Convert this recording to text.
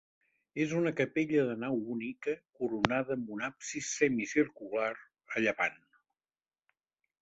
És una capella de nau única coronada amb un absis semicircular a llevant.